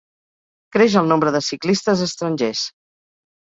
Creix el nombre de ciclistes estrangers.